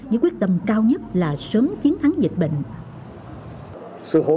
với quyết tâm cao nhất là sớm chiến thắng dịch bệnh